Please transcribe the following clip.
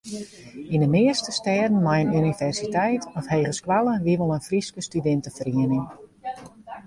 Yn de measte stêden mei in universiteit of hegeskoalle wie wol in Fryske studinteferiening.